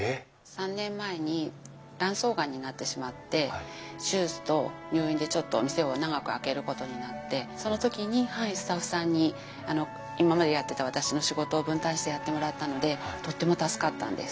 ３年前に卵巣がんになってしまって手術と入院でちょっと店を長く空けることになってその時にスタッフさんに今までやってた私の仕事を分担してやってもらったのでとっても助かったんです。